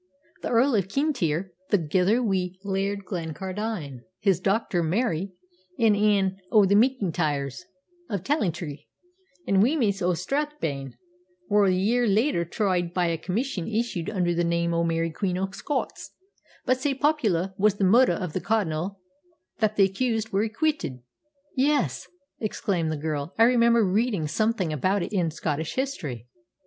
The Earl o' Kintyre, thegither wi' Lord Glencardine, his dochter Mary, an' ane o' the M'Intyres o' Talnetry, an' Wemyss o' Strathblane, were a year later tried by a commission issued under the name o' Mary Queen o' Scots; but sae popular was the murder o' the Cardinal that the accused were acquitted." "Yes," exclaimed the girl, "I remember reading something about it in Scottish history.